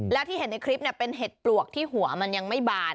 แล้วที่เห็นในคลิปเป็นเห็ดปลวกที่หัวมันยังไม่บาน